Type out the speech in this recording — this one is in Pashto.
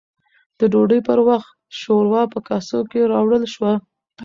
د ډوډۍ پر وخت، شورا په کاسو کې راوړل شوه